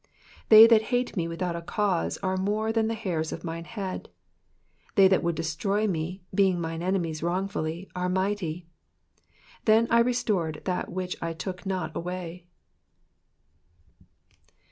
4 They that hate me without a cause are more than the hairs of mine head : they that would destroy me, being mine enemies wrongfully, are mighty : then I restored tfiat which I took not away.